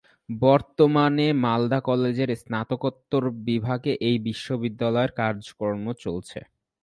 বর্তমানে মালদা কলেজের স্নাতকোত্তর বিভাগে এই বিশ্ববিদ্যালয়ের কাজকর্ম চলছে।